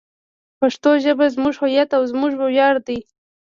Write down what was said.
پښتو ژبه زموږ هویت او زموږ ویاړ دی.